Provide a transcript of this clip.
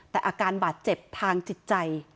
แต่อาการบาดเจ็บทางจิตใจ